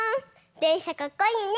でんしゃかっこいいね。